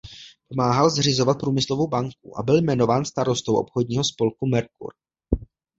Pomáhal zřizovat Průmyslovou banku a byl jmenován starostou obchodního spolku Merkur.